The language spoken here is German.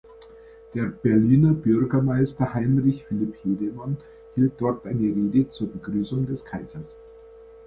Der Berliner Bürgermeister Heinrich Philipp Hedemann hielt dort eine Rede zur Begrüßung des Kaisers.